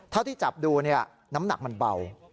เท่าที่จับดูน้ำหนักมันเบา